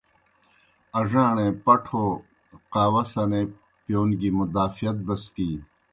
اڙاݨے پٹھو قہوہ سنے پِیون گیْ مدافعت بسکینیْ۔